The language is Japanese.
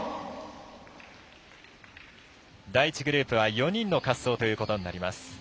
第１グループは４人の滑走ということになります。